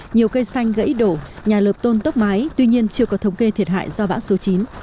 nhiều cây xanh gãy đổ nhà lợp tôn tốc mái tuy nhiên chưa có thống kê thiệt hại do bão số chín